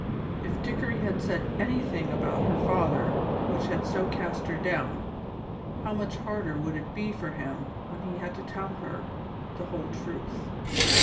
If Dickory had said anything about her father which had so cast her down, how much harder would it be for him when he had to tell her the whole truth.